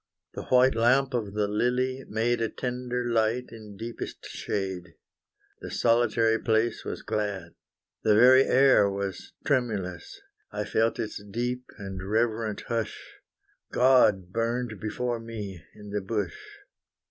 The white lamp of the lily made A tender light in deepest shade, The solitary place was glad. The very air was tremulous, I felt its deep and reverent hush, God burned before me in the bush!